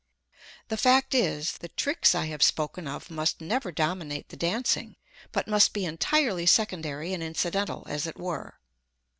The fact is, the tricks I have spoken of must never dominate the dancing, but must be entirely secondary and incidental, as it were.